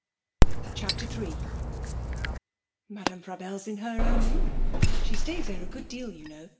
CHAPTER III 'Madame Frabelle's in her own room. She stays there a good deal, you know.